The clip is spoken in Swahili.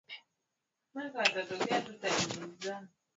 vyakula vingi vinazalishwa katika eneo hilo